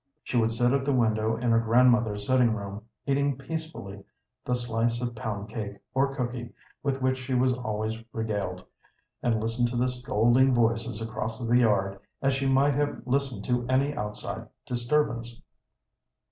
She would sit at the window in her grandmother's sitting room, eating peacefully the slice of pound cake or cooky with which she was always regaled, and listen to the scolding voices across the yard as she might have listened to any outside disturbance.